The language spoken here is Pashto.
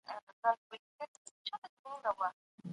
څوک د حضوري ټولګي لارښوونې تعقيبوي؟